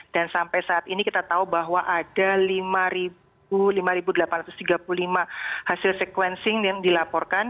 dan sampai saat ini kita tahu bahwa ada lima delapan ratus tiga puluh lima hasil sequencing yang dilaporkan